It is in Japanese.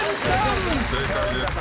正解です。